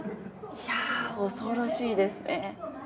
いや恐ろしいですね。